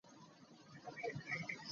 Teri asobola kusaanyaawo ssitaani.